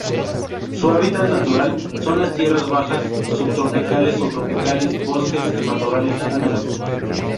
Su hábitat natural son: las tierras bajas subtropicales o tropicales, bosques y matorrales húmedos.